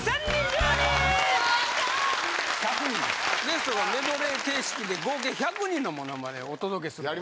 ゲストがメドレー形式で合計１００人のモノマネをお届けする。